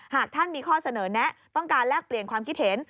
หากท่านมีข้อเสนอแนะต้องการแลกเปลี่ยนความคิดเห็น